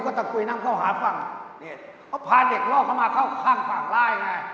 ก็จะคุยน้ำเข้าหาบ้างเพราะพาเด็กล่อเข้ามาเข้าข้างฝั่งล่ายไง